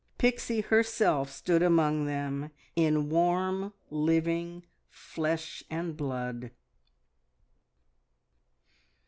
Pixie herself stood among them in warm, living flesh and blood!